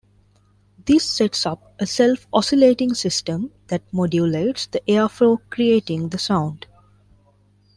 This sets up a self-oscillating system that modulates the airflow creating the sound.